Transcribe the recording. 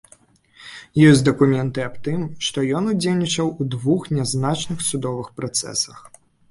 Ёсць дакументы аб тым, што ён удзельнічаў у двух нязначных судовых працэсах.